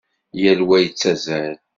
Yal wa yettazzal.